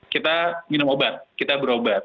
kita minum obat kita berobat